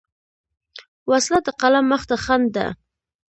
وسله د قلم مخ ته خنډ ده